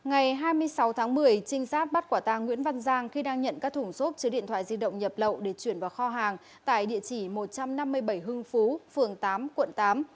ngày hai mươi sáu tháng một mươi trinh sát bắt quả tàng nguyễn văn giang khi đang nhận các thủng xốp chứa điện thoại di động nhập lậu để chuyển vào kho hàng tại địa chỉ một trăm năm mươi bảy hưng phú phường tám quận tám